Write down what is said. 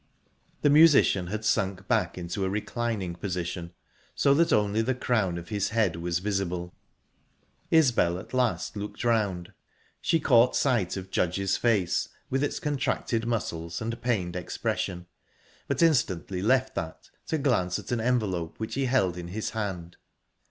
The musician had sunk back into a reclining position, so that only the crown of his head was visible. Isbel at last looked round. She caught sight of Judge's face, with its contracted muscles and pained expression, but instantly left that to glance at an envelope which he held in his hand.